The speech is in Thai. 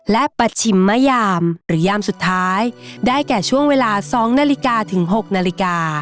และประชิมมะยามหรือยามสุดท้ายได้แก่ช่วงเวลา๒นาฬิกาถึง๖นาฬิกา